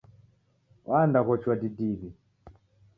Wandaghochua didiw'i.